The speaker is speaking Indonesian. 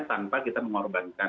tanpa kita mengorbankan